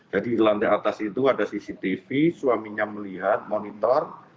jadi di lantai atas itu ada cctv suaminya melihat monitor